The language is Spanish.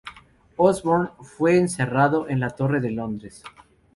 Osborne fue encerrado en la Torre de Londres.